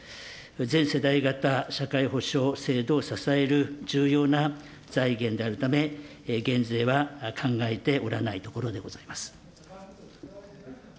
全世代型社会保障制度を支える重要な財源であるため、減税は考えておらないところでございます。